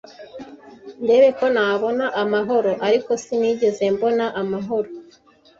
ndebeko nabona amahoro ariko sinigeze mbona amahoro